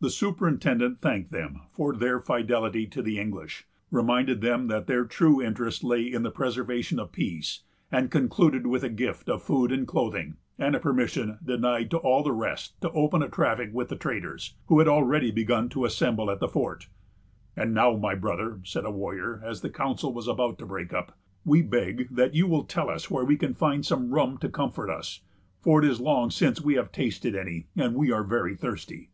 The superintendent thanked them for their fidelity to the English; reminded them that their true interest lay in the preservation of peace, and concluded with a gift of food and clothing, and a permission, denied to all the rest, to open a traffic with the traders, who had already begun to assemble at the fort. "And now, my brother," said a warrior, as the council was about to break up, "we beg that you will tell us where we can find some rum to comfort us; for it is long since we have tasted any, and we are very thirsty."